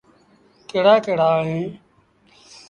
ڪهڙآ ڪهڙ اوهيݩ۔